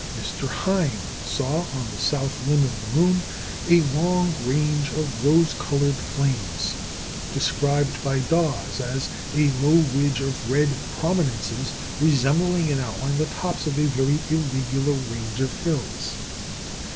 Mr. Hind saw, on the south limb of the moon, "a long range of rose coloured flames," described by Dawes as "a low ridge of red prominences, resembling in outline the tops of a very irregular range of hills."